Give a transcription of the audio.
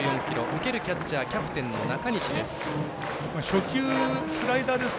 受けるキャッチャーキャプテンの中西です。